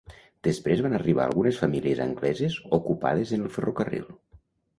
Després van arribar algunes famílies angleses, ocupades en el ferrocarril.